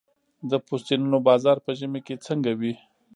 د پوستینونو بازار په ژمي کې څنګه وي؟